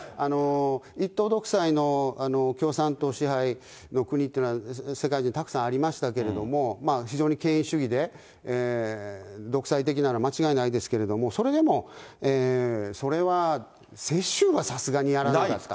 一党独裁の共産党支配の国というのは、世界中にたくさんありましたけれども、非常に権威主義で、独裁的なのは間違いないですけど、それでも、それは世襲はさすがにやらなかった。